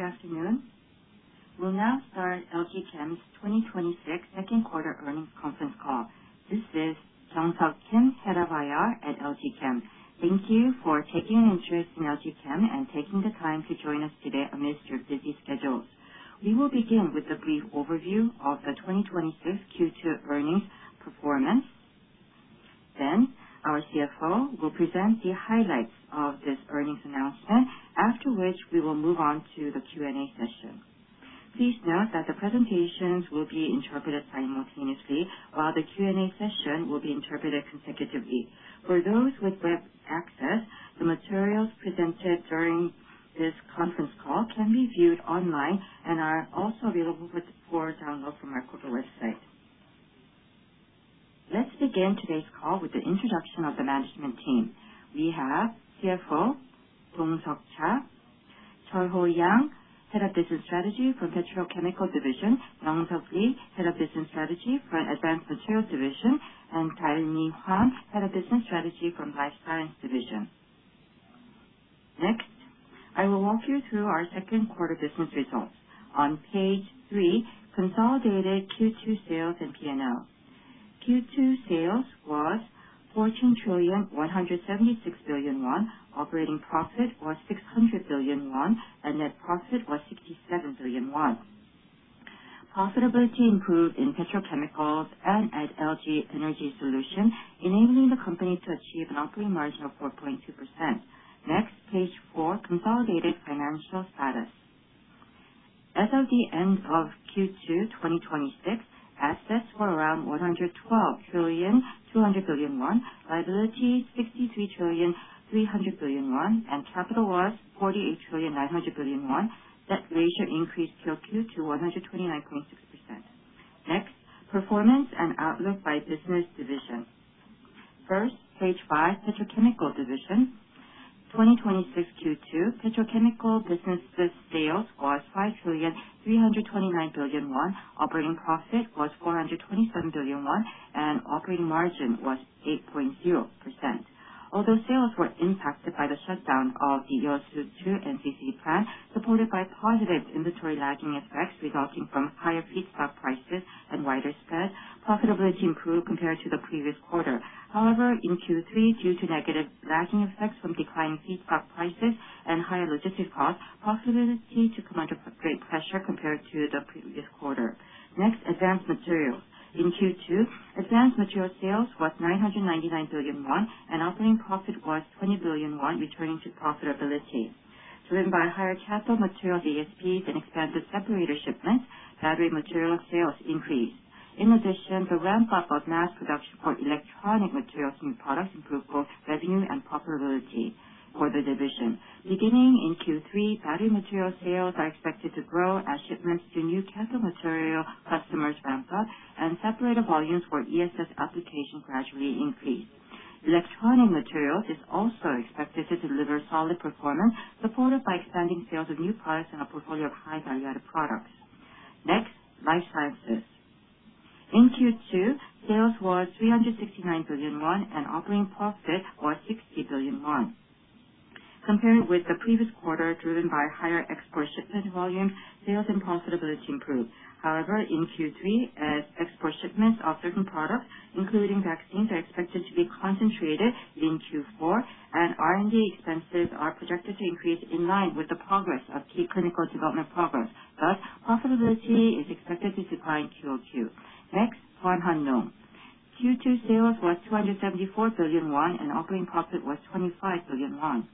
Good afternoon. We will now start LG Chem's 2026 second quarter earnings conference call. This is Kyung-suk Kim, Head of IR at LG Chem. Thank you for taking an interest in LG Chem and taking the time to join us today amidst your busy schedules. We will begin with a brief overview of the 2026 Q2 earnings performance, then our CFO will present the highlights of this earnings announcement, after which we will move on to the Q&A session. Please note that the presentations will be interpreted simultaneously, while the Q&A session will be interpreted consecutively. For those with web access, the materials presented during this conference call can be viewed online and are also available for download from our corporate website. Let's begin today's call with the introduction of the management team. We have CFO, Dong Seok Cha, Cheol Yang, Head of Business Strategy for Petrochemical Division, Young Lee, Head of Business Strategy for Advanced Materials Division, and Dalmi Hwang, Head of Business Strategy for Life Science Division. I will walk you through our second quarter business results. On page three, consolidated Q2 sales and P&L. Q2 sales was 14 trillion, 176 billion, operating profit was 600 billion won, and net profit was 67 billion won. Profitability improved in Petrochemicals and at LG Energy Solution, enabling the company to achieve an operating margin of 4.2%. Page four, consolidated financial status. As of the end of Q2 2026, assets were around 112 trillion, 200 billion, liabilities, 63 trillion, 300 billion, and capital was 48 trillion, 900 billion. Debt ratio increased QOQ to 129.6%. Performance and outlook by business division. Page five, Petrochemical Division. 2026 Q2 Petrochemical Division sales was 5 trillion, 329 billion. Operating profit was 427 billion won, and operating margin was 8.0%. Although sales were impacted by the shutdown of the EO-SO-2 NCC plant, supported by positive inventory lagging effects resulting from higher feedstock prices and wider spreads, profitability improved compared to the previous quarter. However, in Q3, due to negative lagging effects from declining feedstock prices and higher logistic costs, profitability to come under great pressure compared to the previous quarter. Advanced Materials. In Q2, Advanced Materials sales was 999 billion won, and operating profit was 20 billion won, returning to profitability. Driven by higher cathode material ASPs and expanded separator shipments, battery material sales increased. In addition, the ramp-up of mass production for electronic materials and new products improved both revenue and profitability for the division. Battery material sales are expected to grow as shipments to new cathode material customers ramp up and separator volumes for ESS application gradually increase. Electronic materials is also expected to deliver solid performance, supported by expanding sales of new products and a portfolio of high-value-added products. Life Sciences. In Q2, sales was 369 billion won and operating profit was 60 billion won. Comparing with the previous quarter, driven by higher export shipment volume, sales and profitability improved. However, in Q3, as export shipments of certain products, including vaccines, are expected to be concentrated in Q4, and R&D expenses are projected to increase in line with the progress of key clinical development progress. Thus, profitability is expected to decline QOQ. Farm Hannong. Q2 sales was 274 billion won and operating profit was 25 billion won.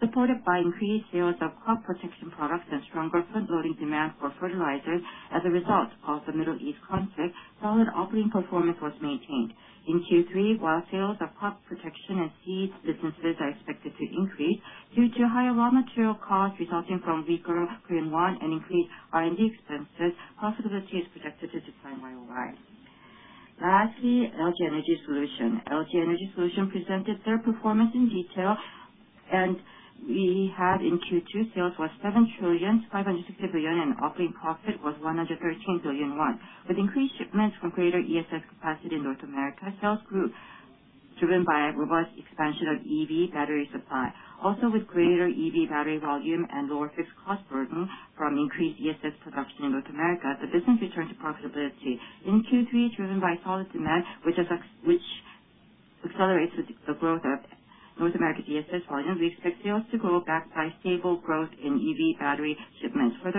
Supported by increased sales of crop protection products and stronger front-loading demand for fertilizers as a result of the Middle East conflict, solid operating performance was maintained. In Q3, while sales of crop protection and seeds businesses are expected to increase due to higher raw material costs resulting from weaker Korean won and increased R&D expenses, profitability is projected to decline YoY. Lastly, LG Energy Solution. LG Energy Solution presented their performance in detail. We have in Q2, sales was 7 trillion, 560 billion, and operating profit was 113 billion won. With increased shipments from greater ESS capacity in North America, sales grew, driven by a robust expansion of EV battery supply. With greater EV battery volume and lower fixed cost burden from increased ESS production in North America, the business returned to profitability. In Q3, driven by solid demand, which accelerates the growth of North America ESS volume, we expect sales to grow backed by stable growth in EV battery shipments. With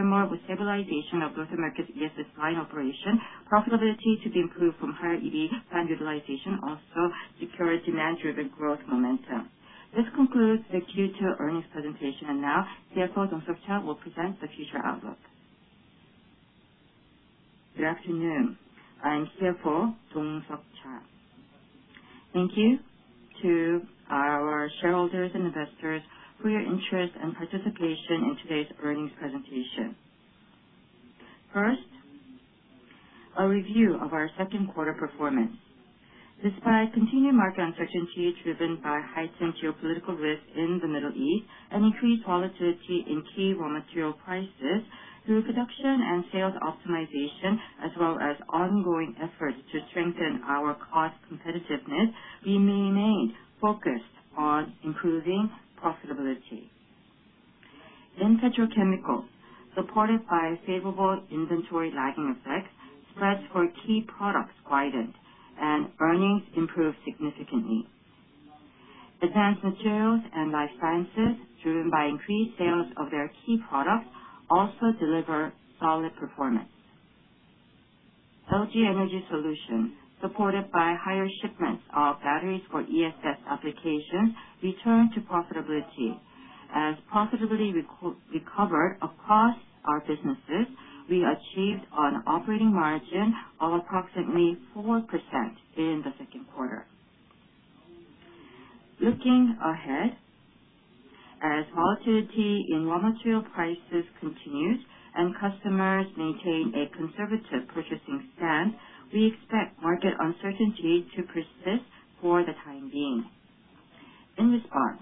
stabilization of North America ESS line operation, profitability to be improved from higher EV plant utilization, also secure demand-driven growth momentum. This concludes the Q2 earnings presentation. Now, CFO Dong Seok Cha will present the future outlook. Good afternoon. I am CFO Dong Seok Cha. Thank you to our shareholders and investors for your interest and participation in today's earnings presentation. First, a review of our second quarter performance. Despite continued market uncertainty driven by heightened geopolitical risk in the Middle East and increased volatility in key raw material prices. Through production and sales optimization, as well as ongoing efforts to strengthen our cost competitiveness, we remained focused on improving profitability. In Petrochemicals, supported by favorable inventory lagging effects, spreads for key products widened and earnings improved significantly. Advanced Materials and Life Sciences, driven by increased sales of their key products, also delivered solid performance. LG Energy Solution, supported by higher shipments of batteries for ESS applications, returned to profitability. As profitability recovered across our businesses, we achieved an operating margin of approximately 4% in the second quarter. Looking ahead, as volatility in raw material prices continues and customers maintain a conservative purchasing stance, we expect market uncertainty to persist for the time being. In response,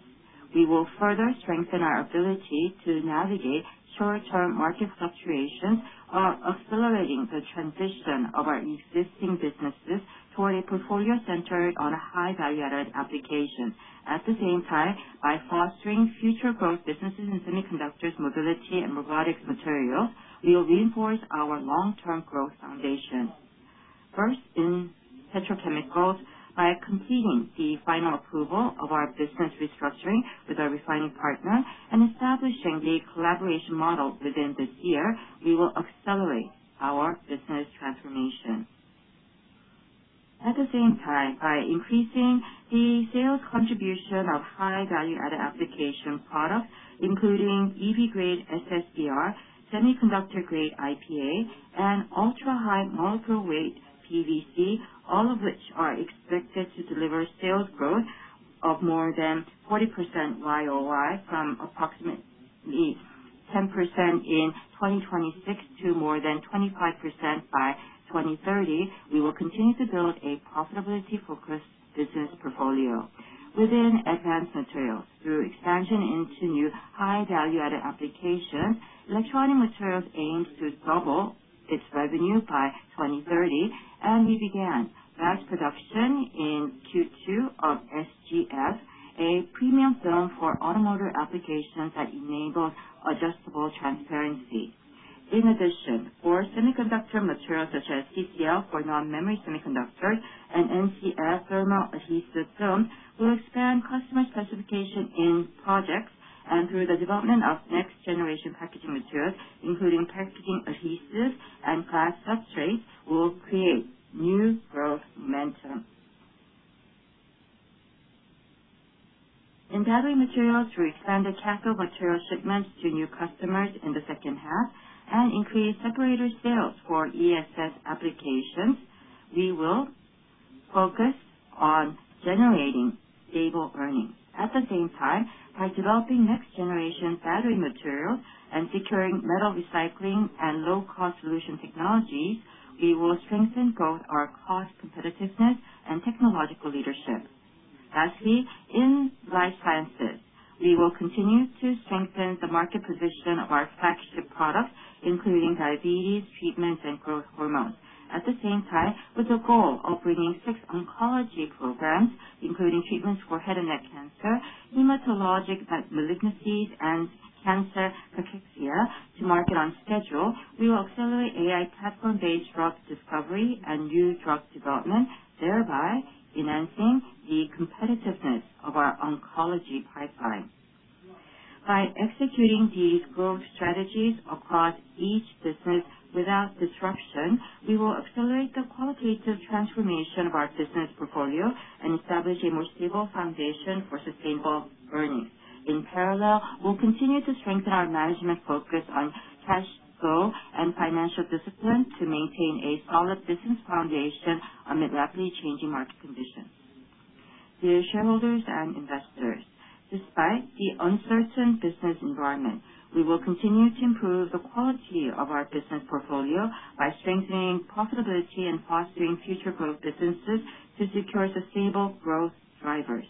we will further strengthen our ability to navigate short-term market fluctuations while accelerating the transition of our existing businesses toward a portfolio centered on a high value-added application. By fostering future growth businesses in semiconductors, mobility, and robotics material, we will reinforce our long-term growth foundation. First, in Petrochemicals, by completing the final approval of our business restructuring with our refining partner and establishing a collaboration model within this year, we will accelerate our business transformation. By increasing the sales contribution of high value-added application products, including EV grade SSBR, semiconductor grade IPA, and ultra-high molecular weight PVC, all of which are expected to deliver sales growth of more than 40% YoY from approximately 10% in 2026 to more than 25% by 2030, we will continue to build a profitability-focused business portfolio. Within Advanced Materials, through expansion into new high value-added application, electronic materials aims to double its revenue by 2030. We began mass production in Q2 of SGF, a premium film for automotive applications that enables adjustable transparency. In addition, for semiconductor materials such as CCL for non-memory semiconductors and NCF thermal adhesive film will expand customer specification in projects and through the development of next generation packaging materials, including packaging adhesives and glass substrates, will create new growth momentum. In battery materials, we expanded cathode material shipments to new customers in the second half and increased separator sales for ESS applications. We will focus on generating stable earnings. At the same time, by developing next generation battery materials and securing metal recycling and low-cost solution technologies, we will strengthen both our cost competitiveness and technological leadership. Lastly, in life sciences, we will continue to strengthen the market position of our flagship products, including diabetes treatments and growth hormones. At the same time, with the goal of bringing six oncology programs, including treatments for head and neck cancer, hematologic malignancies, and cancer cachexia to market on schedule, we will accelerate AI platform-based drug discovery and new drug development, thereby enhancing the competitiveness of our oncology pipeline. By executing these growth strategies across each business without disruption, we will accelerate the qualitative transformation of our business portfolio and establish a more stable foundation for sustainable earnings. In parallel, we will continue to strengthen our management focus on cash flow and financial discipline to maintain a solid business foundation amid rapidly changing market conditions. Dear shareholders and investors, despite the uncertain business environment, we will continue to improve the quality of our business portfolio by strengthening profitability and fostering future growth businesses to secure sustainable growth drivers.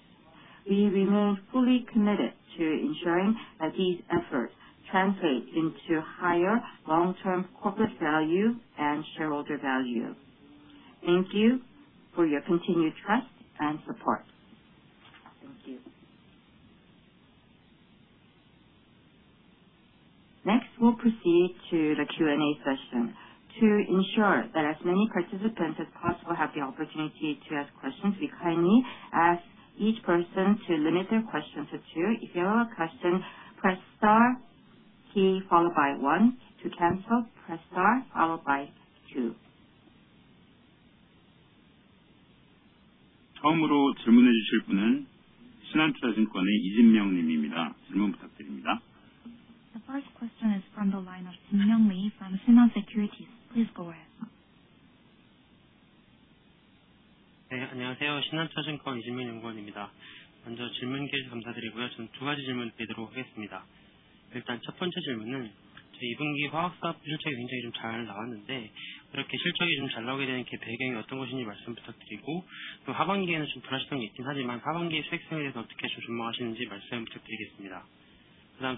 We remain fully committed to ensuring that these efforts translate into higher long-term corporate value and shareholder value. Thank you for your continued trust and support. Thank you. Next, we will proceed to the Q&A session. To ensure that as many participants as possible have the opportunity to ask questions, we kindly ask each person to limit their questions to two. If you have a question, press star key followed by one. To cancel, press star followed by two. The first question is from the line of Jin Myung Lee from Shinhan Securities. Please go ahead. The first question is from the line of Jin Myung Lee from Shinhan Securities. Please go ahead. 그다음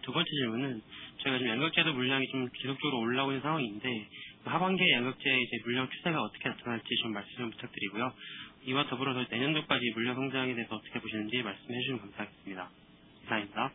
두 번째 질문은 저희가 지금 양극재도 물량이 지속적으로 올라오는 상황인데 하반기에 양극재의 물량 추세가 어떻게 나타날지 말씀 좀 부탁드리고요. 이와 더불어서 내년도까지 물량 성장에 대해서 어떻게 보시는지 말씀해 주시면 감사하겠습니다. 감사합니다.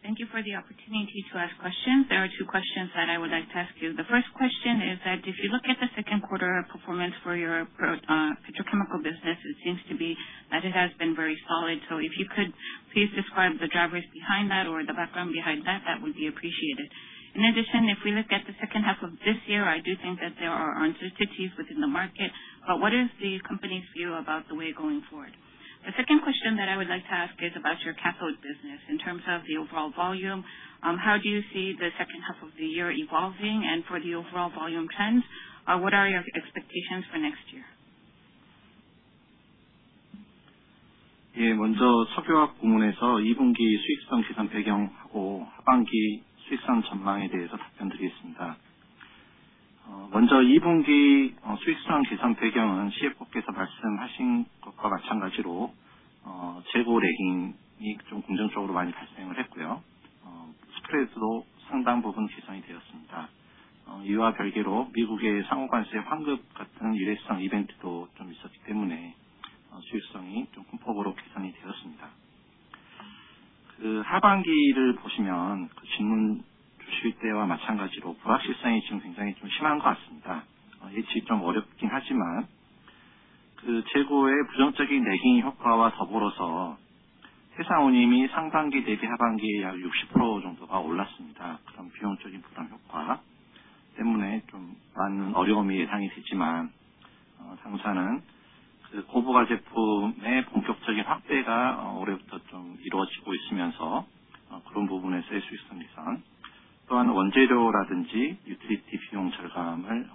Thank you for the opportunity to ask questions. There are two questions that I would like to ask you. The first question is that if you look at the second quarter performance for your petrochemical business, it seems to be that it has been very solid. If you could please describe the drivers behind that or the background behind that would be appreciated. In addition, if we look at the second half of this year, I do think that there are uncertainties within the market. What is the company's view about the way going forward? The second question that I would like to ask is about your cathode business in terms of the overall volume. How do you see the second half of the year evolving and for the overall volume trends, what are your expectations for next year? 먼저 석유화학 부문에서 2분기 수익성 개선 배경하고 하반기 수익성 전망에 대해서 답변드리겠습니다. 먼저 2분기 수익성 개선 배경은 CFO께서 말씀하신 것과 마찬가지로 재고 래깅이 좀 긍정적으로 많이 발생을 했고요. 스프레드도 상당 부분 개선이 되었습니다. 이와 별개로 미국의 상호관세 환급 같은 일회성 이벤트도 좀 있었기 때문에 수익성이 큰 폭으로 개선이 되었습니다. 하반기를 보시면 질문 주실 때와 마찬가지로 불확실성이 지금 굉장히 좀 심한 것 같습니다. 예측이 좀 어렵긴 하지만, 재고의 부정적인 래깅 효과와 더불어서 해상운임이 상반기 대비 하반기에 약 60% 정도가 올랐습니다. 그런 비용적인 부담 효과 때문에 많은 어려움이 예상이 되지만, 당사는 고부가 제품의 본격적인 확대가 올해부터 이루어지고 있으면서 그런 부분에 쓸수 있습니다. 또한 원재료라든지 유틸리티 비용 절감을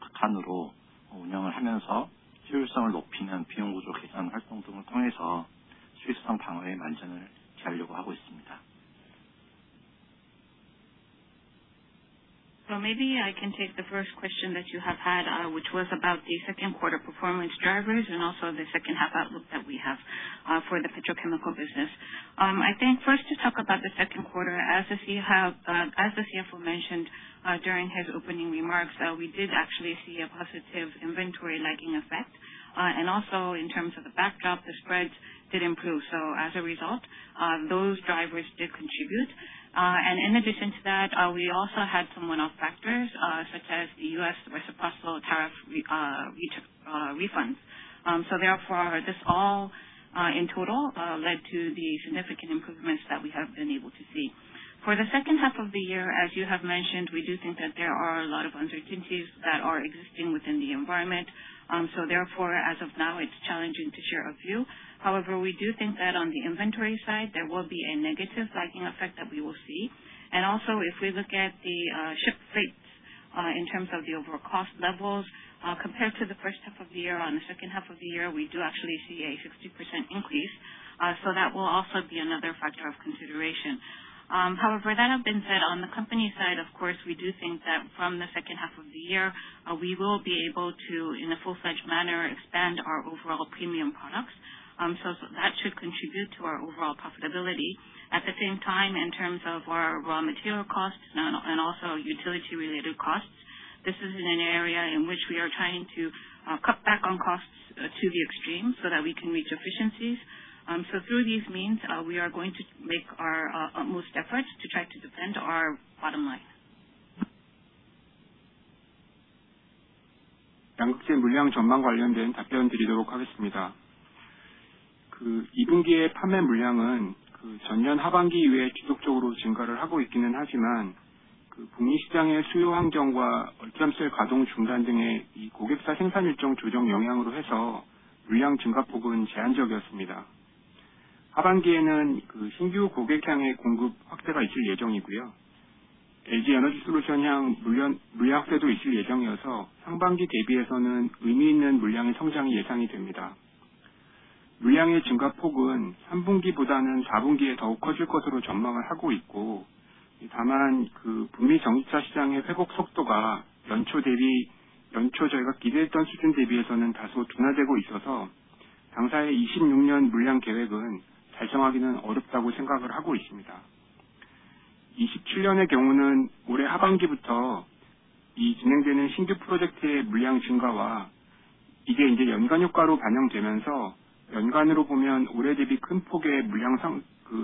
극한으로 운영을 하면서 효율성을 높이는 비용 구조 개선 활동 등을 통해서 수익성 방어에 만전을 기하려고 하고 있습니다. Maybe I can take the first question that you have had, which was about the second quarter performance drivers and also the second half outlook that we have for the petrochemical business. I think first to talk about the second quarter, as the CFO mentioned during his opening remarks, we did actually see a positive inventory lagging effect. Also in terms of the backdrop, the spreads did improve. As a result, those drivers did contribute. In addition to that, we also had some one-off factors, such as the US reciprocal tariff refunds. Therefore, this all in total led to the significant improvements that we have been able to see. For the second half of the year, as you have mentioned, we do think that there are a lot of uncertainties that are existing within the environment. Therefore, as of now, it's challenging to share a view. However, we do think that on the inventory side, there will be a negative lagging effect that we will see. Also if we look at the ship rates in terms of the overall cost levels compared to the first half of the year, on the second half of the year, we do actually see a 60% increase. That will also be another factor of consideration. However, that have been said on the company side, of course, we do think that from the second half of the year, we will be able to, in a full-fledged manner, expand our overall premium products. That should contribute to our overall profitability. At the same time, in terms of our raw material costs and also utility related costs, this is in an area in which we are trying to cut back on costs to the extreme so that we can reach efficiencies. Through these means, we are going to make our utmost efforts to try to defend our bottom line. 양극재 물량 전망 관련된 답변 드리도록 하겠습니다. 2분기의 판매 물량은 전년 하반기 이후에 지속적으로 증가를 하고 있기는 하지만, 북미 시장의 수요 환경과 얼티엄셀즈 가동 중단 등의 고객사 생산 일정 조정 영향으로 해서 물량 증가폭은 제한적이었습니다. 하반기에는 신규 고객향의 공급 확대가 있을 예정이고요. LG 에너지솔루션향 물량 확대도 있을 예정이어서 상반기 대비해서는 의미 있는 물량의 성장이 예상이 됩니다. 물량의 증가폭은 3분기보다는 4분기에 더욱 커질 것으로 전망을 하고 있고, 다만 북미 전기차 시장의 회복 속도가 연초 저희가 기대했던 수준 대비해서는 다소 둔화되고 있어서 당사의 26년 물량 계획은 달성하기는 어렵다고 생각을 하고 있습니다. 27년의 경우는 올해 하반기부터 진행되는 신규 프로젝트의 물량 증가와 이게 연간 효과로 반영되면서 연간으로 보면 올해 대비 큰 폭의 물량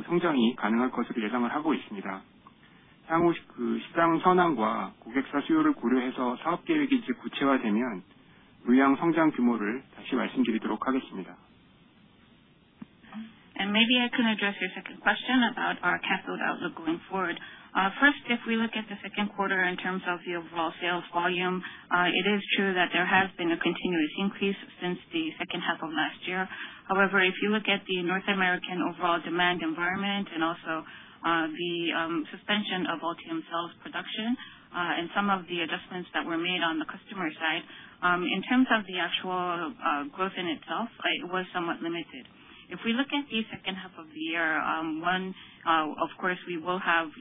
성장이 가능할 것으로 예상을 하고 있습니다. 향후 시장 선황과 고객사 수요를 고려해서 사업계획이 구체화되면 물량 성장 규모를 다시 말씀드리도록 하겠습니다. Maybe I can address your second question about our cathode outlook going forward. First, if we look at the second quarter in terms of the overall sales volume, it is true that there has been a continuous increase since the second half of last year. However, if you look at the North American overall demand environment and also the suspension of Ultium Cells production and some of the adjustments that were made on the customer side in terms of the actual growth in itself, it was somewhat limited. If we look at the second half of the year, One, of course, we will have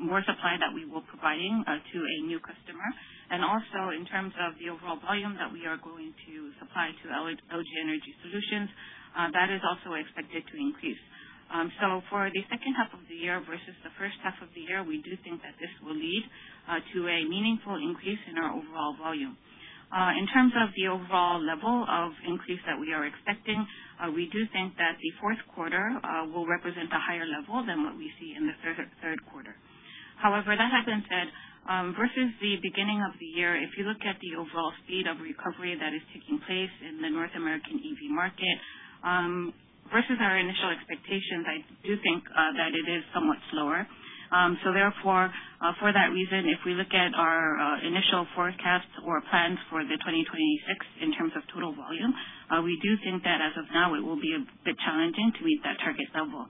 more supply that we will providing to a new customer. Also in terms of the overall volume that we are going to supply to LG Energy Solution, that is also expected to increase. For the second half of the year versus the first half of the year, we do think that this will lead to a meaningful increase in our overall volume. In terms of the overall level of increase that we are expecting, we do think that the fourth quarter will represent a higher level than what we see in the third quarter. However, that being said, versus the beginning of the year, if you look at the overall speed of recovery that is taking place in the North American EV market versus our initial expectations, I do think that it is somewhat slower. Therefore, for that reason, if we look at our initial forecasts or plans for 2026 in terms of total volume, we do think that as of now it will be a bit challenging to meet that target level.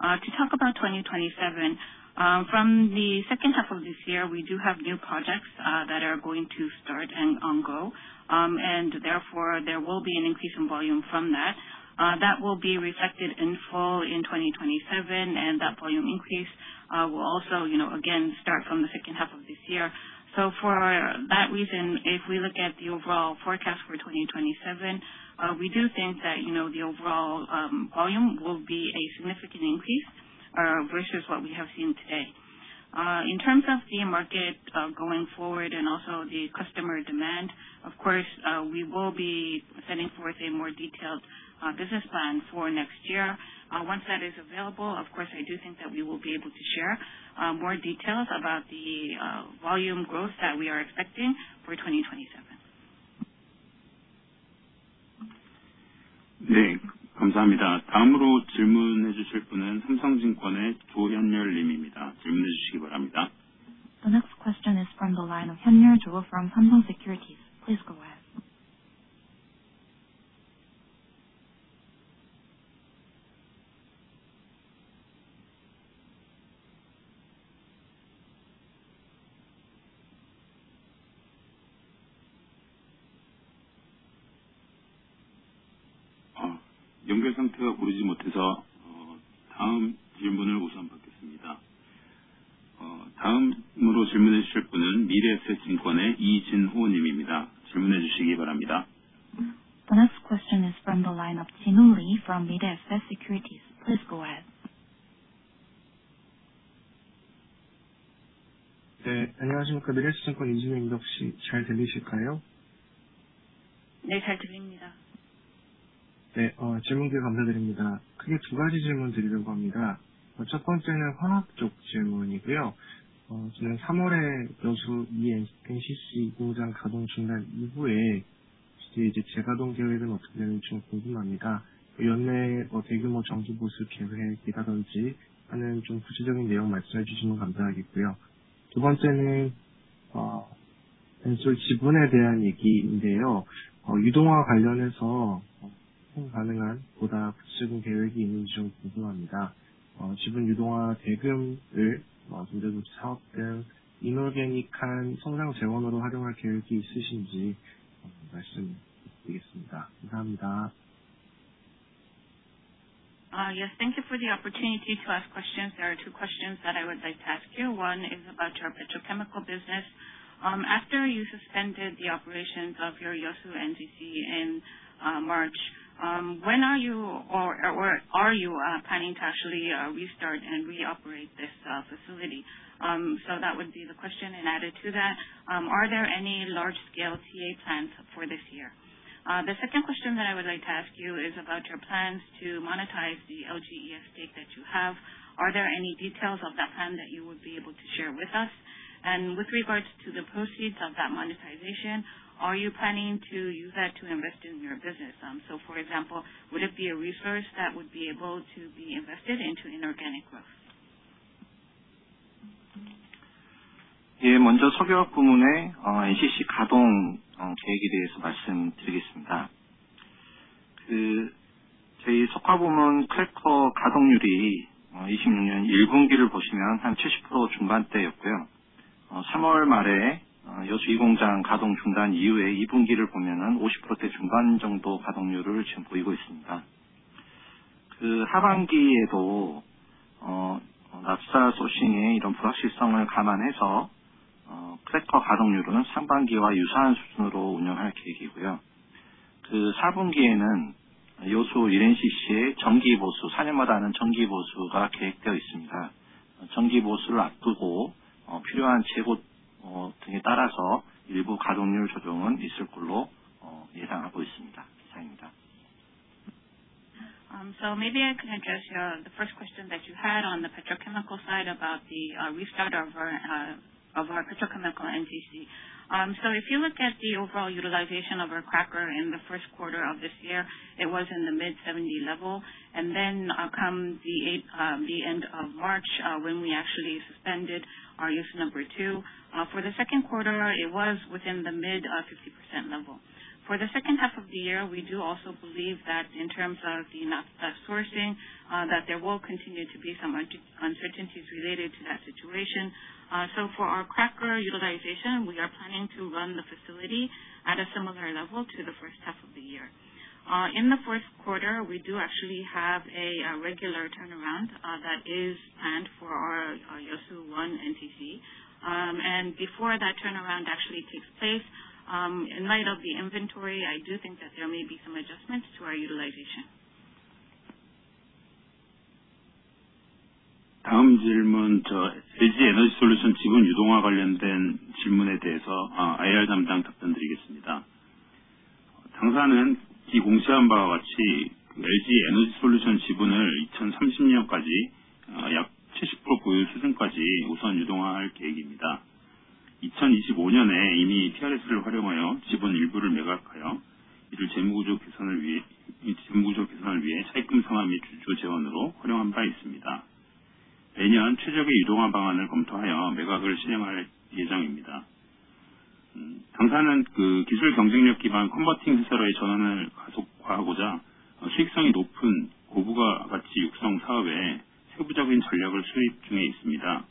To talk about 2027, from the second half of this year, we do have new projects that are going to start and go. Therefore, there will be an increase in volume from that. That will be reflected in full in 2027, and that volume increase will also, again, start from the second half of this year. For that reason, if we look at the overall forecast for 2027, we do think that the overall volume will be a significant increase, versus what we have seen today. In terms of the market going forward and also the customer demand, of course, we will be setting forth a more detailed business plan for next year. Once that is available, of course, I do think that we will be able to share more details about the volume growth that we are expecting for 2027. The next question is from the line of Hyun-Yul Jo from Samsung Securities. Please go ahead. The next question is from the line of Jin-Woo Lee from Mirae Asset Securities. Please go ahead. Yes, thank you for the opportunity to ask questions. There are two questions that I would like to ask you. One is about your petrochemical business. After you suspended the operations of your Yeosu NCC in March, when are you, or are you planning to actually restart and reoperate this facility? That would be the question, and added to that, are there any large-scale TA plans for this year? The second question that I would like to ask you is about your plans to monetize the LGES stake that you have. Are there any details of that plan that you would be able to share with us? With regards to the proceeds of that monetization, are you planning to In the first quarter, we do actually have a regular turnaround that is planned for our Yeosu 1 NCC. Before that turnaround actually takes place, in light of the inventory, I do think that there may be some adjustments to our utilization. 다음 질문 LG 에너지솔루션 지분 유동화 관련된 질문에 대해서 IR 담당 답변드리겠습니다. 당사는 기 공시한 바와 같이 LG 에너지솔루션 지분을 2030년까지 약 70% 보유 추진까지 우선 유동화할 계획입니다. 2025년에 이미 TRS를 활용하여 지분 일부를 매각하여 이를 재무구조 개선을 위해 차입금 상환 및 주주 재원으로 활용한 바 있습니다. 매년 최적의 유동화 방안을 검토하여 매각을 실행할 예정입니다. 당사는 기술 경쟁력 기반 컨버팅 회사로의 전환을 가속화하고자 수익성이 높은 고부가가치 육성 사업에 세부적인 전략을 수립 중에 있습니다.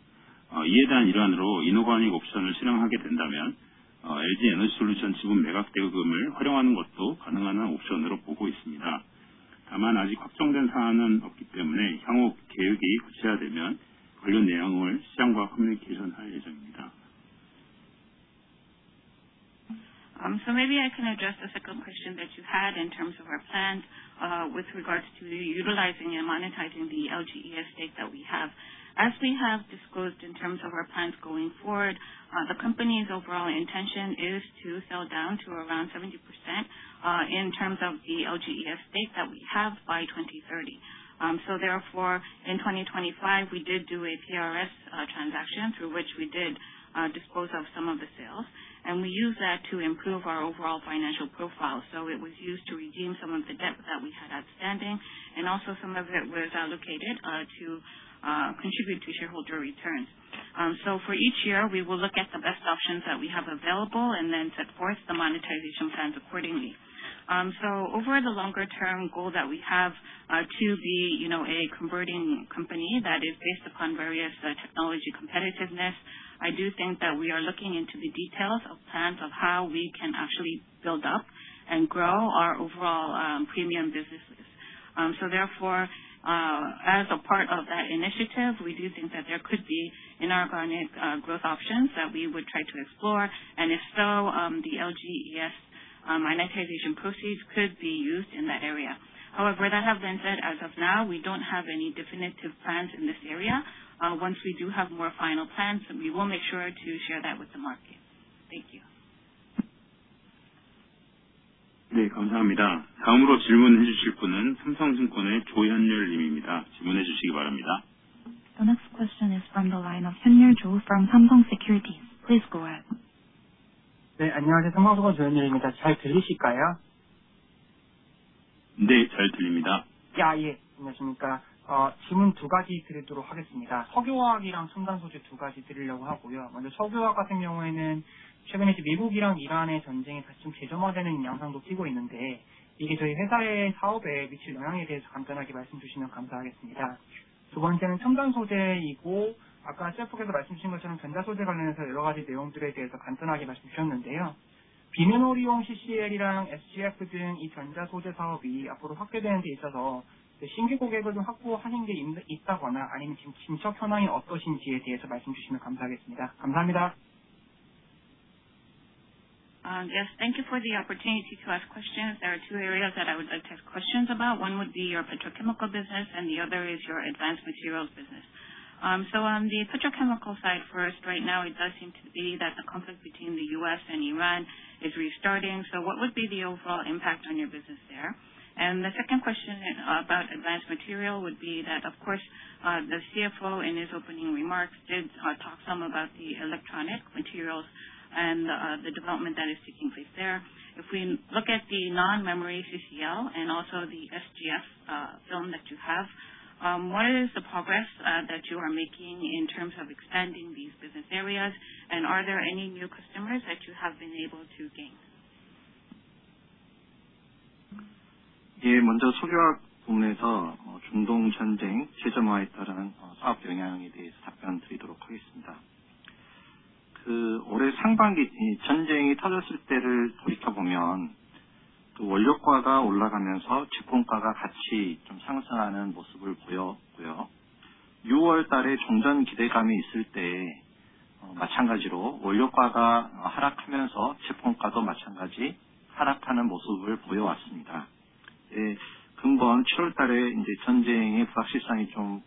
이에 대한 일환으로 이노가닉 옵션을 실행하게 된다면 LG 에너지솔루션 지분 매각 대금을 활용하는 것도 가능한 옵션으로 보고 있습니다. 다만 아직 확정된 사안은 없기 때문에 향후 계획이 구체화되면 관련 내용을 시장과 커뮤니케이션 할 예정입니다. Maybe I can address the second question that you had in terms of our plans with regards to utilizing and monetizing the LGES stake that we have. As we have disclosed in terms of our plans going forward, the company's overall intention is to sell down to around 70% in terms of the LGES stake that we have by 2030. Therefore in 2025, we did do a TRS transaction through which we did dispose of some of the sales, and we use that to improve our overall financial profile. It was used to redeem some of the debt that we had outstanding, and also some of it was allocated to contribute to shareholder returns. For each year, we will look at the best options that we have available and then set forth the monetization plans accordingly. Over the longer term goal that we have to be a converting company that is based upon various technology competitiveness, I do think that we are looking into the details of plans of how we can actually build up and grow our overall premium businesses. Therefore, as a part of that initiative, we do think that there could be inorganic growth options that we would try to explore. If so, the LGES monetization proceeds could be used in that area. However, that has been said, as of now, we don't have any definitive plans in this area. Once we do have more final plans, we will make sure to share that with the market. Thank you. 네, 감사합니다. 다음으로 질문해 주실 분은 삼성증권의 조현열 님입니다. 질문해 주시기 바랍니다. The next question is from the line of Hyun Yeol Jo from Samsung Securities. Please go ahead. 네, 안녕하세요. 삼성증권 조현열입니다. 잘 들리실까요? 네, 잘 들립니다. 안녕하십니까? 질문 두 가지 드리도록 하겠습니다. 석유화학이랑 첨단 소재 두 가지 드리려고 하고요. 먼저 석유화학 같은 경우에는 최근에 미국이랑 이란의 전쟁이 다시 좀 재점화되는 양상도 띠고 있는데 이게 저희 회사의 사업에 미칠 영향에 대해서 간단하게 말씀해 주시면 감사하겠습니다. 두 번째는 첨단 소재이고, 아까 CFO께서 말씀해 주신 것처럼 전자 소재 관련해서 여러 가지 내용들에 대해서 간단하게 말씀해 주셨는데요. 비메모리용 CCL이랑 SGF 등이 전자 소재 사업이 앞으로 확대되는 데 있어서 신규 고객을 확보하신 게 있다거나 아니면 지금 진척 현황이 어떠신지에 대해서 말씀해 주시면 감사하겠습니다. 감사합니다. Yes. Thank you for the opportunity to ask questions. There are two areas that I would like to ask questions about. One would be your petrochemical business and the other is your advanced materials business. On the petrochemical side, first, right now it does seem to be that the conflict between the U.S. and Iran is restarting. What would be the overall impact on your business there? The second question about advanced material would be that, of course, the CFO in his opening remarks did talk some about the electronic materials and the development that is taking place there. If we look at the non-memory CCL and also the SGF film that you have, what is the progress that you are making in terms of expanding these business areas? Are there any new customers that you have been able to gain? 먼저 석유화학 부문에서 중동 전쟁 재점화에 따른 사업 영향에 대해서 답변드리도록 하겠습니다. 올해 상반기 전쟁이 터졌을 때를 돌이켜보면 원료가가 올라가면서 제품가가 같이 상승하는 모습을 보였고요. 6월에 종전 기대감이 있을 때 마찬가지로 원료가가 하락하면서 제품가도 마찬가지 하락하는 모습을 보여왔습니다. 금번 7월에 전쟁의 불확실성이 좀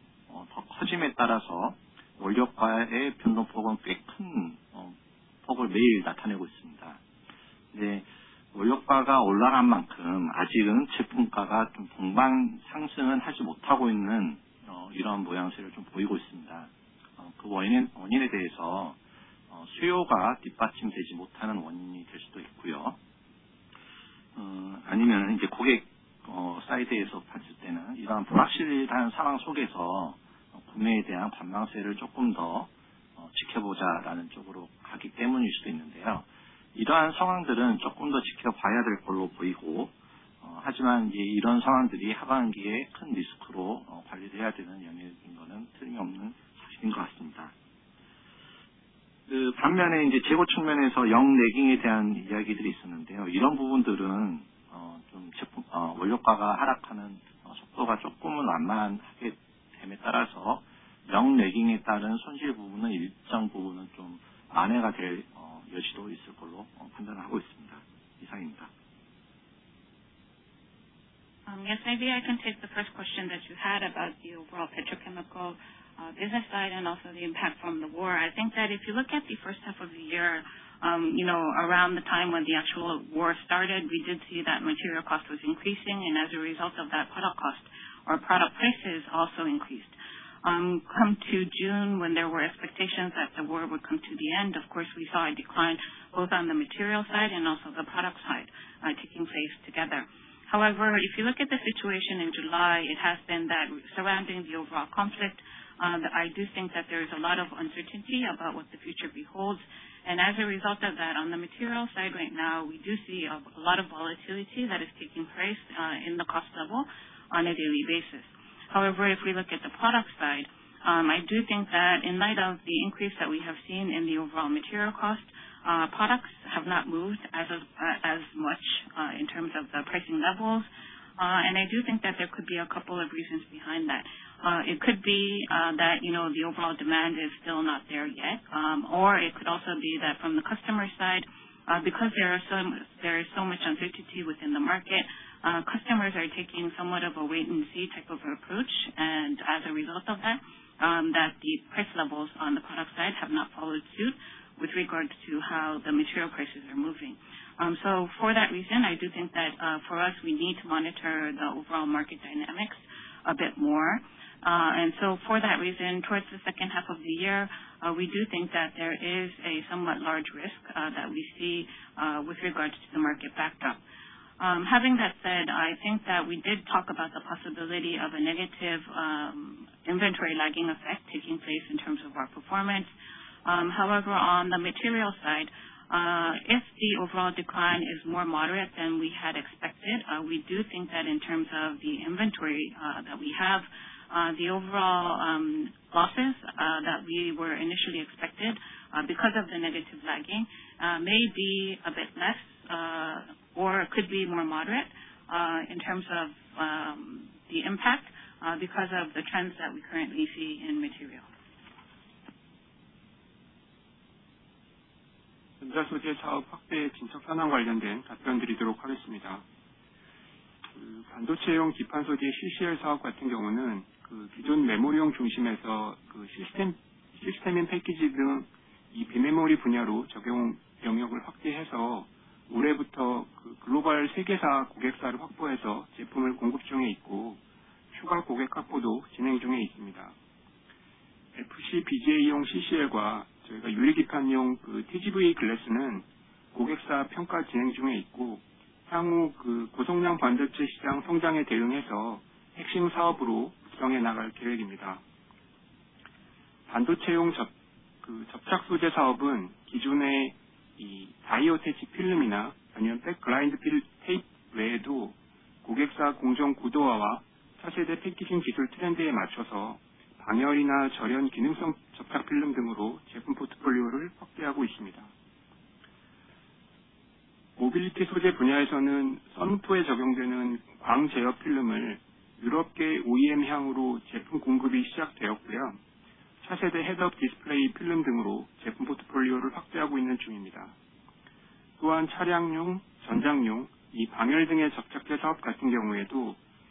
더 커짐에 따라서 원료가의 변동폭은 꽤큰 폭을 매일 나타내고 있습니다. 원료가가 올라간 만큼 아직은 제품가가 동반 상승은 하지 못하고 있는 이러한 모양새를 보이고 있습니다. 그 원인에 대해서 수요가 뒷받침되지 못하는 원인이 될 수도 있고요. 아니면 고객 사이드에서 봤을 때는 이러한 불확실한 상황 속에서 구매에 대한 관망세를 조금 더 지켜보자라는 쪽으로 가기 때문일 수도 있는데요. 이러한 상황들은 조금 더 지켜봐야 될 걸로 보이고, 하지만 이런 상황들이 하반기에 큰 리스크로 관리돼야 되는 영역인 거는 틀림이 없는 사실인 것 같습니다. 반면에 재고 측면에서 영 레깅에 대한 이야기들이 있었는데요. 이런 부분들은 원료가가 하락하는 속도가 조금은 완만하게 됨에 따라서 영 레깅에 따른 손실 부분은 일정 부분은 좀 완화가 될 여지도 있을 걸로 판단하고 있습니다. 이상입니다. Yes, maybe I can take the first question that you had about the overall petrochemical business side and also the impact from the war. I think that if you look at the first half of the year, around the time when the actual war started, we did see that material cost was increasing. As a result of that product cost, our product prices also increased. Come to June, when there were expectations that the war would come to the end, of course, we saw a decline both on the material side and also the product side taking place together. However, if you look at the situation in July, it has been that surrounding the overall conflict, I do think that there is a lot of uncertainty about what the future beholds. As a result of that, on the material side right now, we do see a lot of volatility that is taking place in the cost level on a daily basis. However, if we look at the product side, I do think that in light of the increase that we have seen in the overall material cost, products have not moved as much in terms of the pricing levels. I do think that there could be a couple of reasons behind that. It could be that the overall demand is still not there yet. It could also be that from the customer side, because there is so much uncertainty within the market, customers are taking somewhat of a wait-and-see type of approach. As a result of that, the price levels on the product side have not followed suit with regards to how the material prices are moving. For that reason, I do think that for us, we need to monitor the overall market dynamics a bit more. For that reason, towards the second half of the year, we do think that there is a somewhat large risk that we see with regards to the market backed up. Having that said, I think that we did talk about the possibility of a negative inventory lagging effect taking place in terms of our performance. However, on the material side, if the overall decline is more moderate than we had expected, we do think that in terms of the inventory that we have, the overall losses that we were initially expected because of the negative lagging may be a bit less, or could be more moderate in terms of the impact because of the trends that we currently see in material. Maybe to address your second question about our electronic materials business in terms of the progress and any new customers. First, if we talk about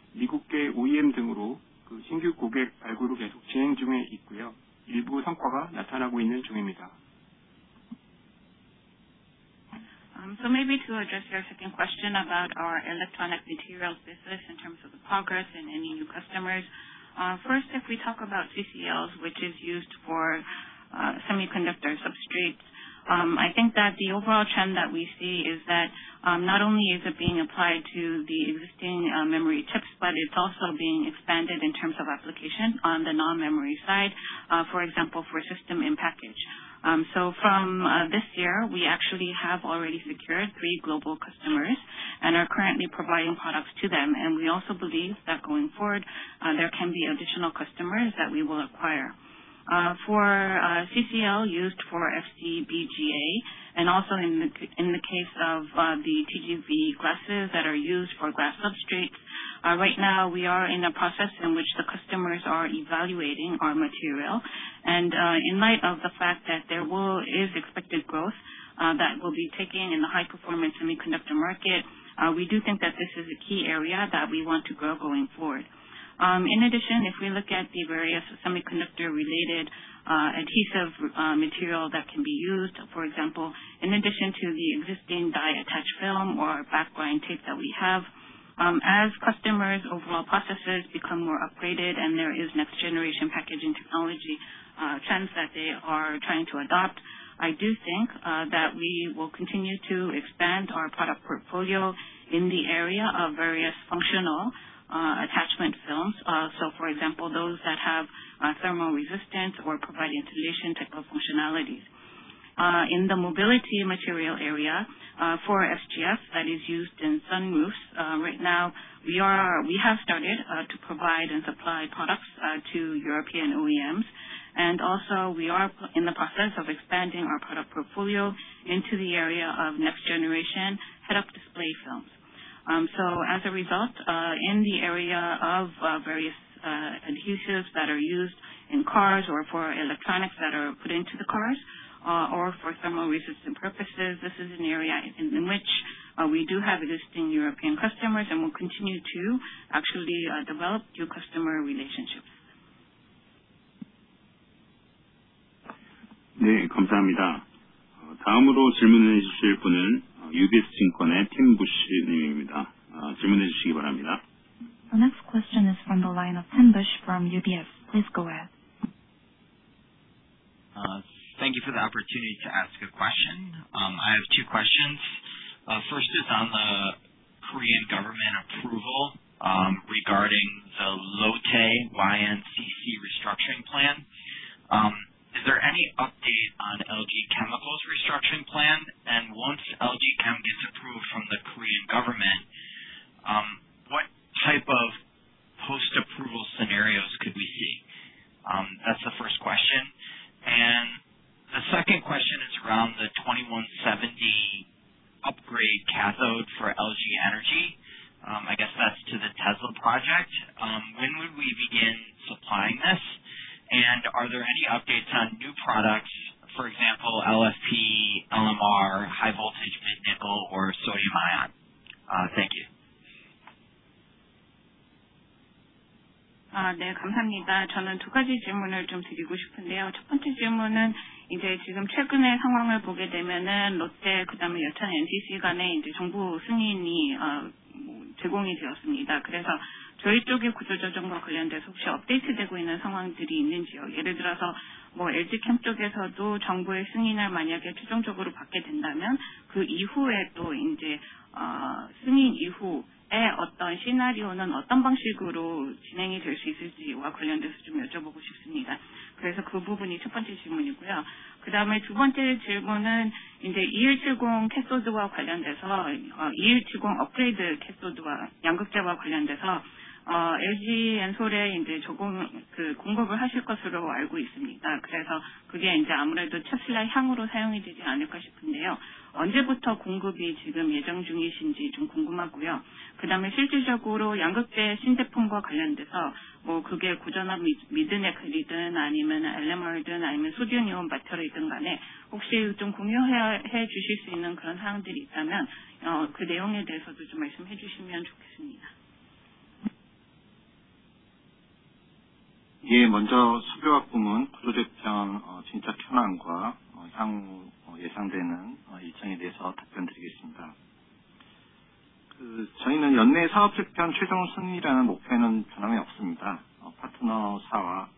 CCLs, which is used for semiconductor substrates, I think that the overall trend that we see is that not only is it being applied to the existing memory chips, but it's also being expanded in terms of application on the non-memory side. For example, for system in package. From this year, we actually have already secured three global customers and are currently providing products to them. We also believe that going forward, there can be additional customers that we will acquire. For CCL used for FCBGA and also in the case of the TGV glasses that are used for glass substrates, right now we are in a process in which the customers are evaluating our material. In light of the fact that there is expected growth that will be ticking in the high-performance semiconductor market, we do think that this is a key area that we want to grow going forward. In addition, if we look at the various semiconductor-related adhesive material that can be used, for example, in addition to the existing die attach film or backgrind tape that we have, as customers' overall processes become more upgraded and there is next generation packaging technology trends that they are trying to adopt, I do think that we will continue to expand our product portfolio in the area of various functional attachment films. For example, those that have thermal resistance or provide insulation type of functionalities. In the mobility material area for SGF that is used in sunroofs. Right now we have started to provide and supply products to European OEMs, and also we are in the process of expanding our product portfolio into the area of next generation head-up display films. As a result of various adhesives that are used in cars or for electronics that are put into the cars, or for thermal resistant purposes. This is an area in which we do have existing European customers, and we will continue to actually develop new customer relationships. 네, 감사합니다. 다음으로 질문해 주실 분은 UBS증권의 Tim Bush 님입니다. 질문해 주시기 바랍니다. The next question is from the line of Tim Bush from UBS. Please go ahead. Thank you for the opportunity to ask a question. I have two questions. First is on the Korean government approval regarding the Lotte YNCC restructuring plan. Is there any update on LG Chem's restructuring plan? Once LG Chem gets approved from the Korean government, what type of post-approval scenarios could we see? That's the first question. The second question is around the 2170 upgrade cathode for LG Energy. I guess that's to the Tesla project. When would we begin supplying this? Are there any updates on new products? For example, LFP, LMR, high voltage mid nickel, or sodium ion. Thank you. 저는 두 가지 질문을 드리고 싶은데요. 첫 번째 질문은 최근의 상황을 보게 되면 Lotte 그다음에 여천NCC 간에 정부 승인이 제공이 되었습니다. 그래서 저희 쪽에 구조조정과 관련돼서 혹시 업데이트되고 있는 상황들이 있는지요? 예를 들어서 LG Chem 쪽에서도 정부의 승인을 만약에 최종적으로 받게 된다면 그 이후에 또 승인 이후에 시나리오는 어떤 방식으로 진행이 될수 있을지와 관련돼서 여쭤보고 싶습니다. 그 부분이 첫 번째 질문이고요. 두 번째 질문은 2170 upgrade cathode, 양극재와 관련돼서 LG Ensol에 조금 공급을 하실 것으로 알고 있습니다. 그래서 그게 아무래도 Tesla향으로 사용이 되지 않을까 싶은데요. 언제부터 공급이 지금 예정 중이신지 궁금하고요. 그다음에 실질적으로 양극재 신제품과 관련돼서 그게 고전압 미드 넥이든 아니면 LMR이든 아니면 sodium-ion battery든 간에 혹시 공유해 주실 수 있는 그런 사항들이 있다면 그 내용에 대해서도 말씀해 주시면 좋겠습니다. 예, 먼저 석유화학 부문 구조조정 진척 현황과 향후 예상되는 일정에 대해서 답변드리겠습니다. 저희는 연내 사업조정 최종 승인이라는 목표에는 변함이 없습니다. 파트너사와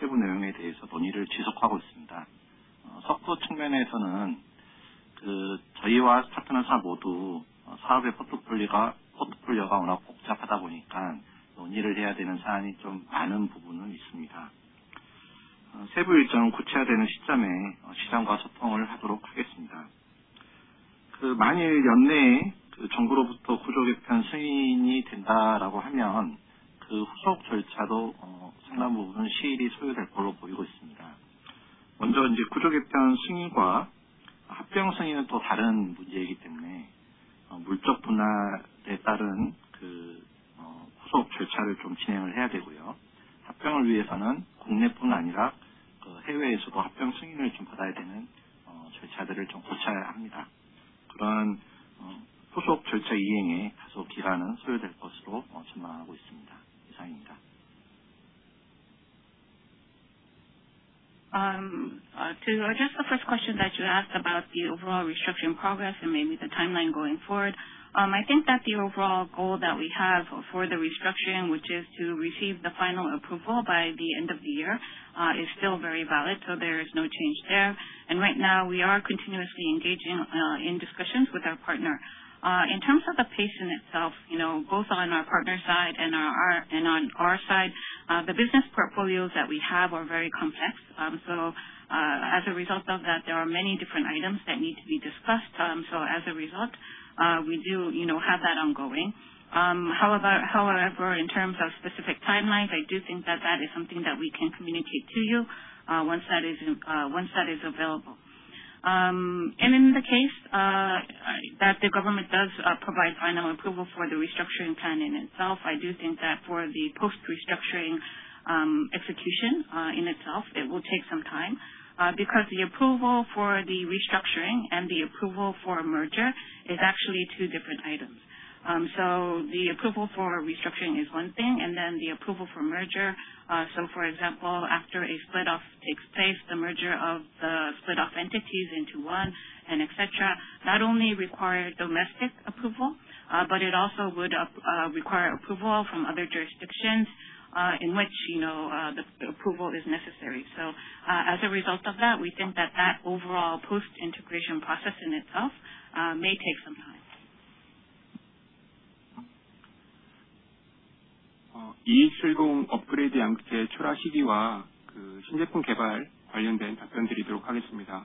세부 내용에 대해서 논의를 지속하고 있습니다. 석유 측면에서는 저희와 파트너사 모두 사업의 포트폴리오가 워낙 복잡하다 보니까 논의를 해야 되는 사안이 많은 부분은 있습니다. 세부 일정은 구체화되는 시점에 시장과 소통을 하도록 하겠습니다. 만일 연내에 정부로부터 구조개편 승인이 된다라고 하면 그 후속 절차도 상당 부분은 시일이 소요될 걸로 보이고 있습니다. 먼저 구조개편 승인과 합병 승인은 또 다른 문제이기 때문에 물적 분할에 따른 후속 절차를 진행을 해야 되고요. 합병을 위해서는 국내뿐 아니라 해외에서도 합병 승인을 받아야 되는 절차들을 거쳐야 합니다. 그러한 후속 절차 이행에 다소 기간은 소요될 것으로 전망하고 있습니다. 이상입니다. To address the first question that you asked about the overall restructuring progress and maybe the timeline going forward. The overall goal that we have for the restructuring, which is to receive the final approval by the end of the year, is still very valid. There is no change there. Right now we are continuously engaging in discussions with our partner. In terms of the pacing itself, both on our partner side and on our side, the business portfolios that we have are very complex. As a result of that, there are many different items that need to be discussed. As a result, we do have that ongoing. However, in terms of specific timelines, I do think that that is something that we can communicate to you once that is available. In the case that the government does provide final approval for the restructuring plan in itself, I do think that for the post-restructuring execution in itself, it will take some time. Because the approval for the restructuring and the approval for a merger is actually two different items. The approval for restructuring is one thing, then the approval for merger. For example, after a split off takes place, the merger of the split off entities into one and et cetera, not only require domestic approval, but it also would require approval from other jurisdictions in which the approval is necessary. As a result of that, we think that that overall post-integration process in itself may take some time. 2170 upgrade 양극재 출하 시기와 신제품 개발 관련된 답변드리도록 하겠습니다.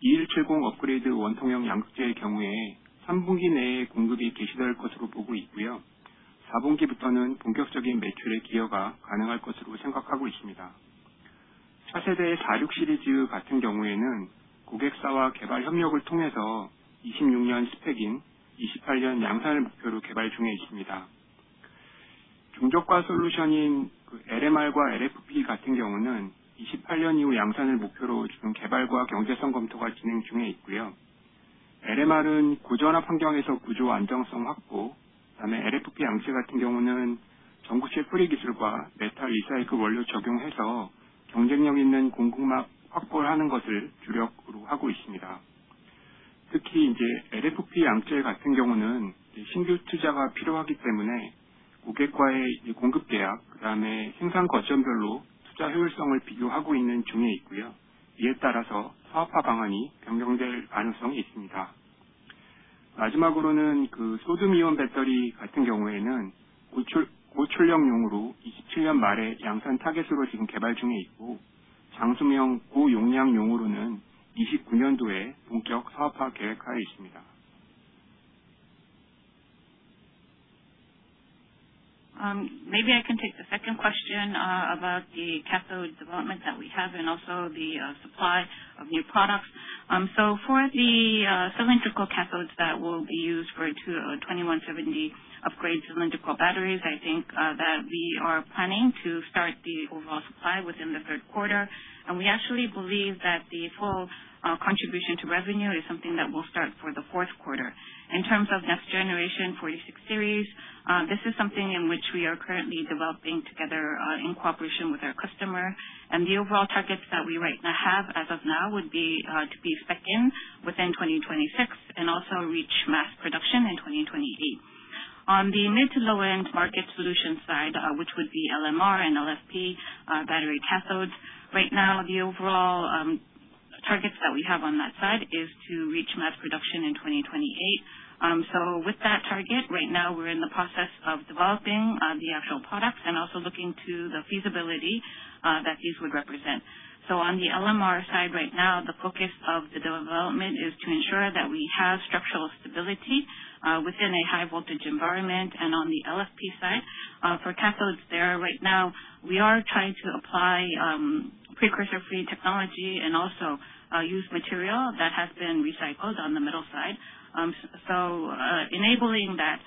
2170 upgrade 원통형 양극재의 경우에 3분기 내에 공급이 개시될 것으로 보고 있고요. 4분기부터는 본격적인 매출의 기여가 가능할 것으로 생각하고 있습니다. 차세대 46 시리즈 같은 경우에는 고객사와 개발 협력을 통해서 26년 스펙인 28년 양산을 목표로 개발 중에 있습니다. 중저가 솔루션인 LMR과 LFP 같은 경우는 28년 이후 양산을 목표로 지금 개발과 경제성 검토가 진행 중에 있고요. LMR은 고전압 환경에서 구조 안정성 확보, 그다음에 LFP 양재 같은 경우는 전구체 프리 기술과 메탈 리사이클 원료 적용해서 경쟁력 있는 공급망 확보를 하는 것을 주력으로 하고 있습니다. 특히 LFP 양재 같은 경우는 신규 투자가 필요하기 때문에 고객과의 공급 계약, 그다음에 생산 거점별로 투자 효율성을 비교하고 있는 중에 있고요. 이에 따라서 사업화 방안이 변경될 가능성이 있습니다. 마지막으로는 소듐이온 배터리 같은 경우에는 고출력용으로 27년 말에 양산 타겟으로 지금 개발 중에 있고, 장수명 고용량용으로는 29년도에 본격 사업화 계획하에 있습니다. Maybe I can take the second question about the cathode development that we have and also the supply of new products. For the cylindrical cathodes that will be used for 2170 upgrade cylindrical batteries, we are planning to start the overall supply within the third quarter. We actually believe that the full contribution to revenue is something that will start for the fourth quarter. In terms of next generation 46 series, this is something in which we are currently developing together in cooperation with our customer. The overall targets that we right now have as of now would be to be spec in within 2026 and also reach mass production in 2028. On the mid to low-end market solution side, which would be LMR and LFP battery cathodes. Right now, the overall targets that we have on that side is to reach mass production in 2028. With that target, right now we're in the process of developing the actual products and also looking to the feasibility that these would represent. On the LMR side right now, the focus of the development is to ensure that we have structural stability within a high voltage environment. On the LFP side for cathodes there right now, we are trying to apply precursor free technology and also use material that has been recycled on the middle side. Enabling that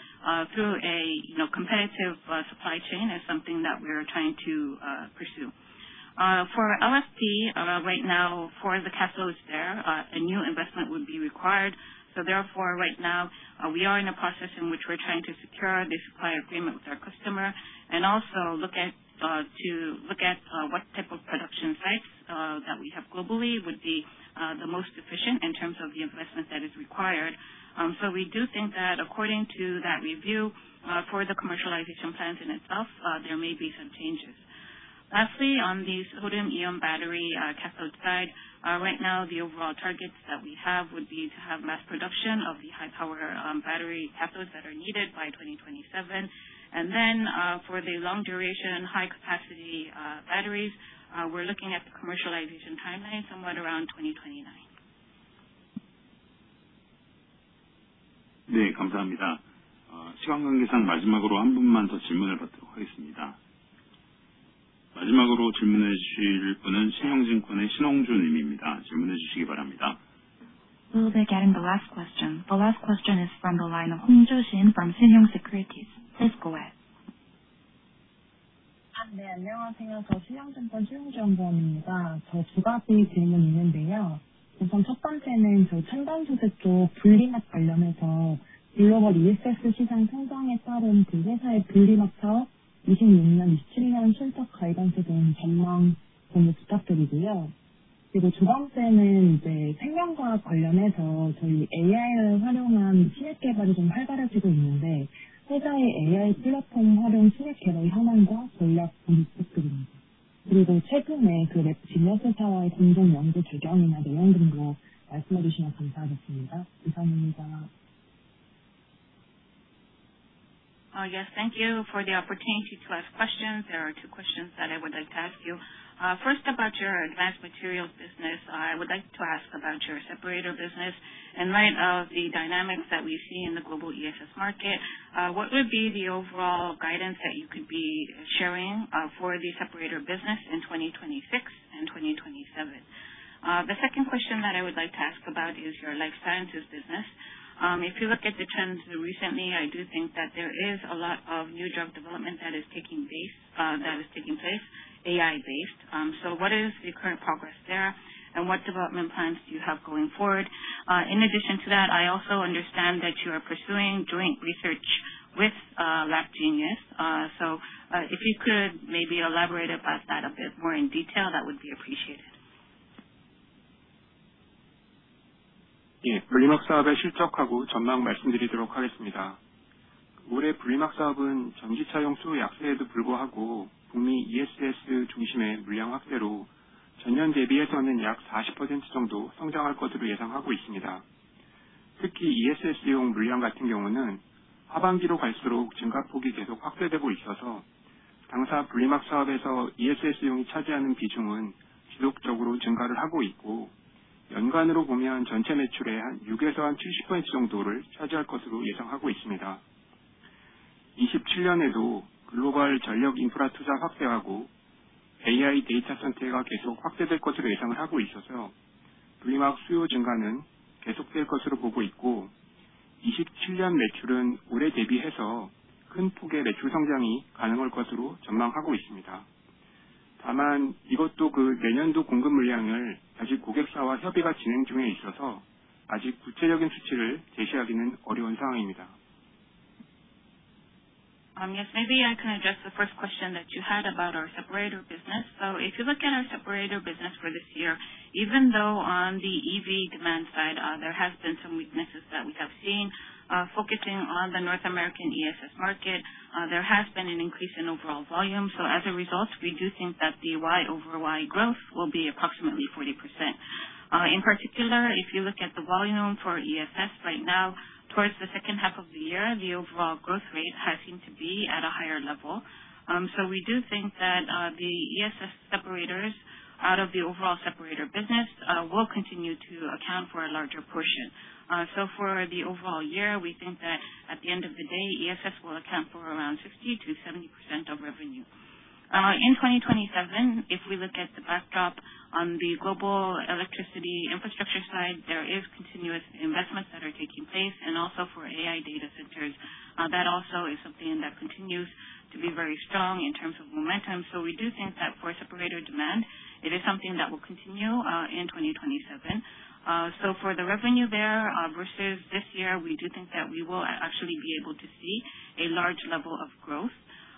through a competitive supply chain is something that we are trying to pursue. For LFP right now, for the cathodes there, a new investment would be required. Therefore, right now we are in a process in which we're trying to secure the supply agreement with our customer and also to look at what type of production sites that we have globally would be the most efficient in terms of the investment that is required. We do think that according to that review for the commercialization plans in itself, there may be some changes. Lastly, on the sodium-ion battery cathode side. Right now the overall targets that we have would be to have mass production of the high power battery cathodes that are needed by 2027. For the long duration high capacity batteries, we're looking at the commercialization timeline somewhat around 2029. 네, 감사합니다. 시간 관계상 마지막으로 한 분만 더 질문을 받도록 하겠습니다. 마지막으로 질문해 주실 분은 신영증권의 신홍주 님입니다. 질문해 주시기 바랍니다. We'll be getting the last question. The last question is from the line of Hongju Shin from Shinyoung Securities. Please go ahead. 안녕하세요. 신영증권 신홍주입니다. 두 가지 질문이 있는데요. 우선 첫 번째는 저희 첨단 소재 쪽 분리막 관련해서 글로벌 ESS 시장 성장에 따른 회사의 분리막 사업 26년, 27년 실적 가이던스 등 전망 공유 부탁드리고요. 그리고 두 번째는 생명과학 관련해서 AI를 활용한 신약 개발이 활발해지고 있는데, 회사의 AI 플랫폼 활용 신약 개발 현황과 전략 공유 부탁드립니다. 그리고 최근에 LabGenius와의 공동 연구 진행이나 내용 등도 말씀해 주시면 감사하겠습니다. 이상입니다. Yes. Thank you for the opportunity to ask questions. There are two questions that I would like to ask you. First, about your advanced materials business. I would like to ask about your separator business. In light of the dynamics that we see in the global ESS market, what would be the overall guidance that you could be sharing for the separator business in 2026 and 2027? The second question that I would like to ask about is your life sciences business. If you look at the trends recently, I do think that there is a lot of new drug development that is taking place, AI based. What is the current progress there, and what development plans do you have going forward? In addition to that, I also understand that you are pursuing joint research with LabGenius. If you could maybe elaborate about that a bit more in detail, that would be appreciated. 네, 분리막 사업의 실적하고 전망 말씀드리도록 하겠습니다. 올해 분리막 사업은 전기차용 수요 약세에도 불구하고 북미 ESS 중심의 물량 확대로 전년 대비해서는 약 40% 정도 성장할 것으로 예상하고 있습니다. 특히 ESS용 물량 같은 경우는 하반기로 갈수록 증가폭이 계속 확대되고 있어서 당사 분리막 사업에서 ESS용이 차지하는 비중은 지속적으로 증가를 하고 있고, 연간으로 보면 전체 매출의 한 60에서 한 70% 정도를 차지할 것으로 예상하고 있습니다. 27년에도 글로벌 전력 인프라 투자 확대하고 AI 데이터센터가 계속 확대될 것으로 예상을 하고 있어서, Vmax 수요 증가는 계속될 것으로 보고 있고 27년 매출은 올해 대비해서 큰 폭의 매출 성장이 가능할 것으로 전망하고 있습니다. 다만, 이것도 내년도 공급 물량을 아직 고객사와 협의가 진행 중에 있어서 아직 구체적인 수치를 제시하기는 어려운 상황입니다. Yes, maybe I can address the first question that you had about our separator business. If you look at our separator business for this year, even though on the EV demand side, there has been some weaknesses that we have seen, focusing on the North American ESS market, there has been an increase in overall volume. As a result, we do think that the YoY growth will be approximately 40%. In particular, if you look at the volume for ESS right now, towards the second half of the year, the overall growth rate has seemed to be at a higher level. We do think that the ESS separators out of the overall separator business will continue to account for a larger portion. For the overall year, we think that at the end of the day, ESS will account for around 60%-70% of revenue. In 2027, if we look at the backdrop on the global electricity infrastructure side, there is continuous investments that are taking place and also for AI data centers. That also is something that continues to be very strong in terms of momentum. We do think that for separator demand, it is something that will continue in 2027. For the revenue there versus this year, we do think that we will actually be able to see a large level of growth.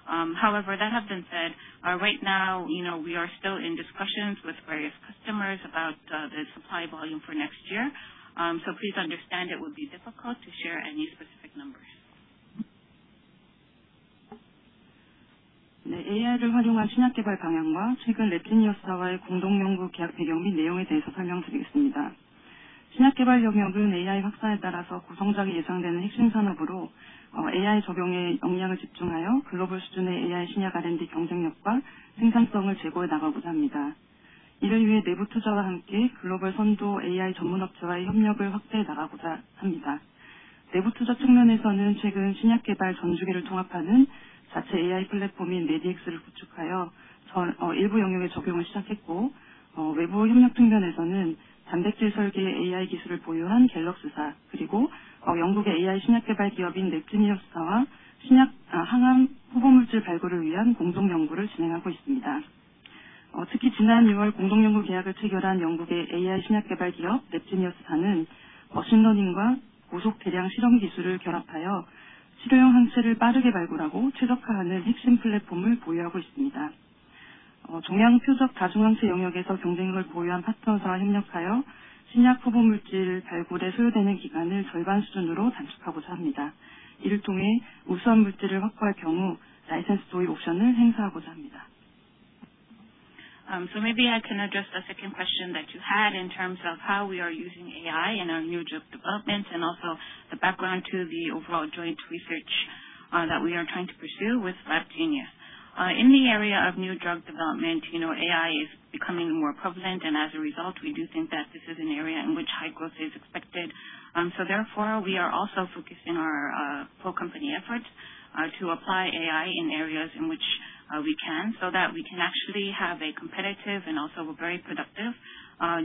However, that has been said, right now we are still in discussions with various customers about the supply volume for next year. Please understand it would be difficult to share any specific numbers. AI를 활용한 신약 개발 방향과 최근 LabGenius와의 공동 연구 계약 배경 및 내용에 대해서 설명드리겠습니다. 신약 개발 영역은 AI 확산에 따라서 고성장이 예상되는 핵심 산업으로 AI 적용에 역량을 집중하여 글로벌 수준의 AI 신약 R&D 경쟁력과 생산성을 제고해 나가고자 합니다. 이를 위해 내부 투자와 함께 글로벌 선도 AI 전문 업체와의 협력을 확대해 나가고자 합니다. 내부 투자 측면에서는 최근 신약 개발 전 주기를 통합하는 자체 AI 플랫폼인 MediX를 구축하여 일부 영역에 적용을 시작했고, 외부 협력 측면에서는 단백질 설계 AI 기술을 보유한 Galux사, 그리고 영국의 AI 신약 개발 기업인 LabGenius와 신약 항원 후보 물질 발굴을 위한 공동 연구를 진행하고 있습니다. 특히 지난 2월 공동 연구 계약을 체결한 영국의 AI 신약 개발 기업 LabGenius는 머신러닝과 고속 대량 실험 기술을 결합하여 치료용 항체를 빠르게 발굴하고 최적화하는 핵심 플랫폼을 보유하고 있습니다. 동양 표적 다중 항체 영역에서 경쟁력을 보유한 파트너사와 협력하여 신약 후보 물질 발굴에 소요되는 기간을 절반 수준으로 단축하고자 합니다. 이를 통해 우수한 물질을 확보할 경우 license-in 옵션을 행사하고자 합니다. Maybe I can address the second question that you had in terms of how we are using AI in our new drug development and also the background to the overall joint research that we are trying to pursue with LabGenius. In the area of new drug development, AI is becoming more prevalent, and as a result, we do think that this is an area in which high growth is expected. Therefore, we are also focused in our full company effort to apply AI in areas in which we can, so that we can actually have a competitive and also a very productive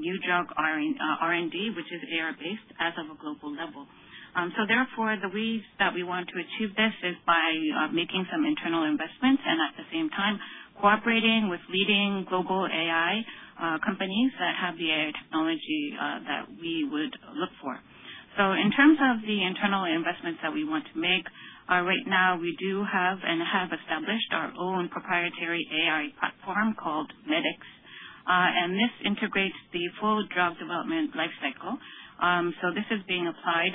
new drug R&D which is AI-based as of a global level. Therefore, the ways that we want to achieve this is by making some internal investments and at the same time cooperating with leading global AI companies that have the AI technology that we would look for. In terms of the internal investments that we want to make, right now we do have and have established our own proprietary AI platform called MediX. This integrates the full drug development lifecycle. This is being applied.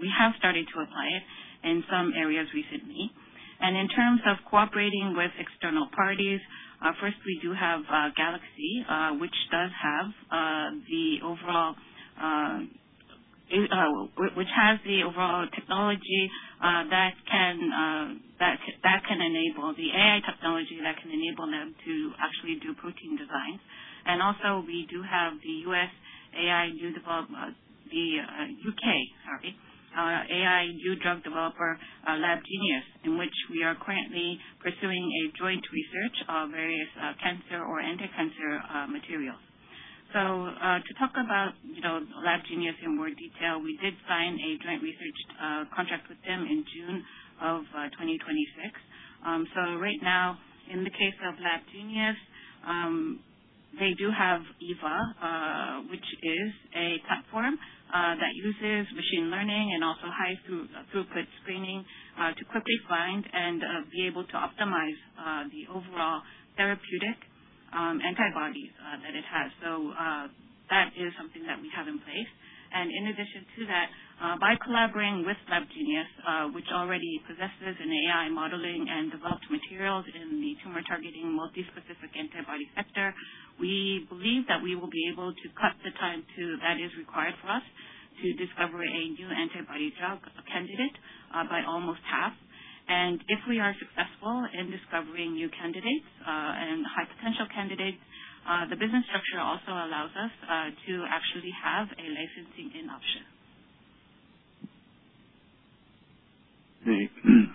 We have started to apply it in some areas recently. In terms of cooperating with external parties, first, we do have Galux, which has the overall technology that can enable the AI technology, that can enable them to actually do protein design. Also we do have the U.K. AI new drug developer, LabGenius, in which we are currently pursuing a joint research of various cancer or anti-cancer materials. To talk about LabGenius in more detail, we did sign a joint research contract with them in June of 2026. Right now, in the case of LabGenius, they do have EVA, which is a platform that uses machine learning and also high-throughput screening to quickly find and be able to optimize the overall therapeutic antibodies that it has. That is something that we have in place. In addition to that, by collaborating with LabGenius, which already possesses an AI modeling and developed materials in the tumor targeting multi-specific antibody sector, we believe that we will be able to cut the time that is required for us to discover a new antibody drug candidate by almost half. If we are successful in discovering new candidates and high potential candidates, the business structure also allows us to actually have a license-in option. 네,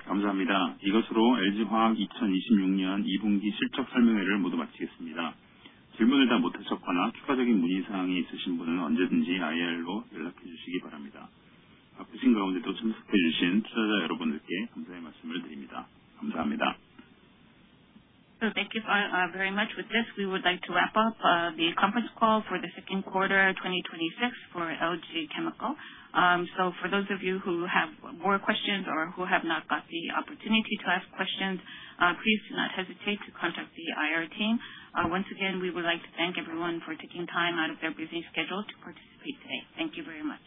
감사합니다. 이것으로 LG 화학 2026년 2분기 실적 설명회를 모두 마치겠습니다. 질문을 다못 하셨거나 추가적인 문의 사항이 있으신 분은 언제든지 IR로 연락해 주시기 바랍니다. 바쁘신 가운데도 참석해 주신 투자자 여러분들께 감사의 말씀을 드립니다. 감사합니다. Thank you very much. With this, we would like to wrap up the conference call for the second quarter 2026 for LG Chem. For those of you who have more questions or who have not got the opportunity to ask questions, please do not hesitate to contact the IR team. Once again, we would like to thank everyone for taking time out of their busy schedule to participate today. Thank you very much.